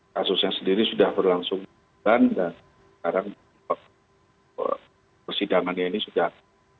kasusnya sendiri sudah berlangsung dan sekarang persidangannya ini sudah